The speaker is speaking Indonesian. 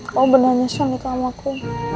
kamu bener nyesel nikah sama aku